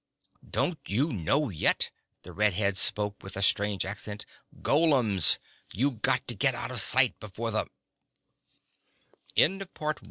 "Don't you know yet?" The red head spoke with a strange accent. "Golems ... You got to get out of sight before the "The